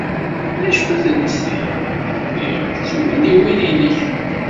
D acu-tent ti? Ti d tugniwin-nnek.